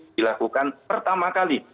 dilakukan pertama kali